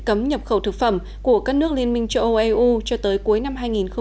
cấm nhập khẩu thực phẩm của các nước liên minh châu âu eu cho tới cuối năm hai nghìn hai mươi